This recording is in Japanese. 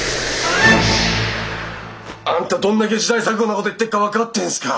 あんたどんだけ時代錯誤なこと言ってっか分かってるんですか？